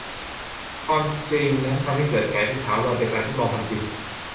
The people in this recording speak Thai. ความจริงนั้นทำให้เกิดแผลเป็นถาวรจากการทดลองทำจริง